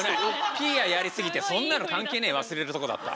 ピーヤやりすぎて「そんなの関係ねぇ！」忘れるとこだった。